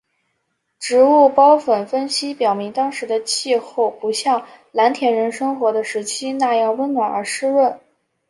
植物孢粉分析表明当时的气候不像蓝田人生活的时期那样温暖而湿润。